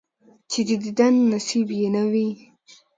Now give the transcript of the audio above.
چې د دیدن نصیب یې نه وي،